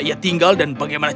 ketika tuanku akan hidup